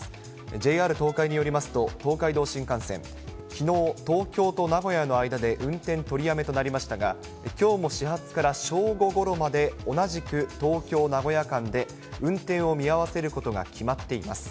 ＪＲ東海によりますと、東海道新幹線、きのう、東京と名古屋の間で運転取りやめとなりましたが、きょうも始発から正午ごろまで、同じく東京・名古屋間で運転を見合わせることが決まっています。